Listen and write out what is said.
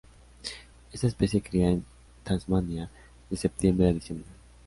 Esta especie cría en Tasmania de septiembre a diciembre.